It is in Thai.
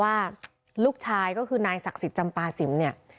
ว่าลูกชายก็คือนายศักดิ์สิทธิ์จำปาสิมเนี่ย